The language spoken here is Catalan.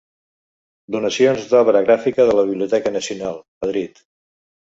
Donacions d'Obra Gràfica de la Biblioteca Nacional, Madrid.